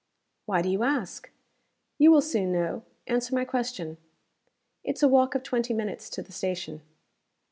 "Why do you ask?" "You will soon know. Answer my question." "It's a walk of twenty minutes to the station."